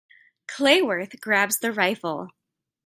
Clayworth grabs the rifle.